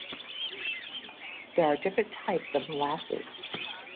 There are different types of molasses.